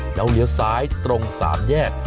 แล้วเหลียวซ้ายตรงสามแยก